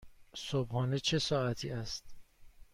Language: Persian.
صبحانه چه ساعتی است؟